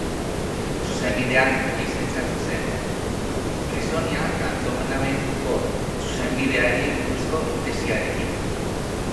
Zuzenbidean lizentziatu zen, Grisonia kantonamenduko zuzenbideari buruzko tesiarekin.